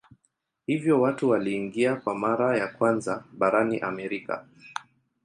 Hivyo watu waliingia kwa mara ya kwanza barani Amerika.